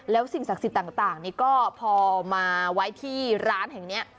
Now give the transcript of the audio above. แล้วสิ่งศักดิ์สิทธิ์ต่างก็พอมาไว้ที่ร้านแห่งนี้